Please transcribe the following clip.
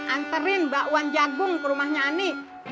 anterin bakwan jagung ke rumahnya ani